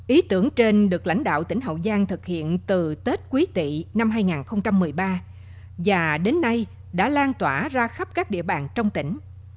ý tưởng trên được lãnh đạo tỉnh hậu giang thực hiện từ tết quý tị năm hai nghìn một mươi ba và đến nay đã lan tỏa ra khắp các địa bàn trong tỉnh